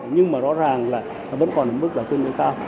nhưng mà rõ ràng là vẫn còn một mức là tương đối khác